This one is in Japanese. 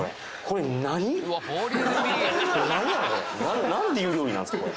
これなんていう料理なんですか？